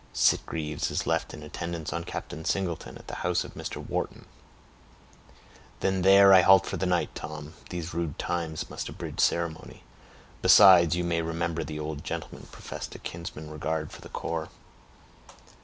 "Sitgreaves is left in attendance on Captain Singleton, at the house of Mr. Wharton." "Then there I halt for the night, Tom. These rude times must abridge ceremony; besides, you may remember the old gentleman professed a kinsman's regard for the corps.